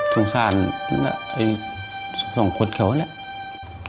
สงสารเนี้ยเศรษฐ์สองคนแขว้เลยนะ